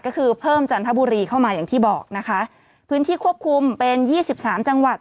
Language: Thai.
ก็คือเพิ่มจันทบุรีเข้ามาอย่างที่บอกนะคะพื้นที่ควบคุมเป็นยี่สิบสามจังหวัด